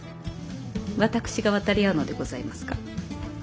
私が渡り合うのでございますか。